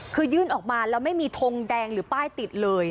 คือยื่นออกมาแล้วไม่มีทงแดงหรือป้ายติดเลย